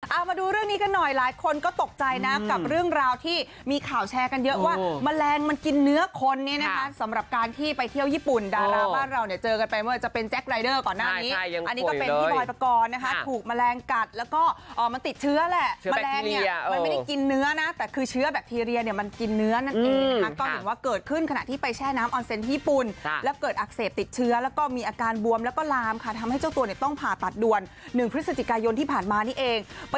เอามาดูเรื่องนี้กันหน่อยหลายคนก็ตกใจนะกับเรื่องราวที่มีข่าวแชร์กันเยอะว่ามะแรงมันกินเนื้อคนนี้นะครับสำหรับการที่ไปเที่ยวญี่ปุ่นดาราบ้านเราเนี่ยเจอกันไปเมื่อจะเป็นแจ็ครายเดอร์ก่อนหน้านี้ใช่ใช่ยังป่วยเลยอันนี้ก็เป็นที่บอยประกอบนะคะถูกมะแรงกัดแล้วก็อ๋อมันติดเชื้อแหละเชื้อแบคทีเรียม